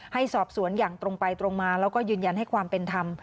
ให้สอบสวนอย่างตรงไปตรงมาแล้วก็ยืนยันให้ความเป็นธรรม